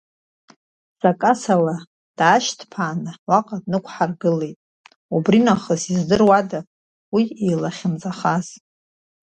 Сакасала даашьҭԥаан уаҟа днақәҳаргылеит, убри нахыс издыруада уи илахьынҵахаз?!